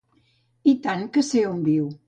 I tant que sé on viu.